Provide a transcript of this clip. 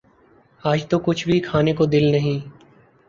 آج تو کچھ بھی کھانے کو دل نہیں